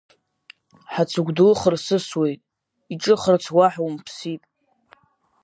Ҳацыгә ду хырсысуеит, иҿыхарц уаҳа умԥсит.